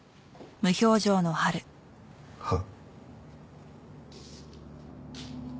はあ。